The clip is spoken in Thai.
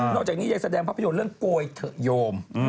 จากนี้ยังแสดงภาพยนตร์เรื่องโกยเถอะโยม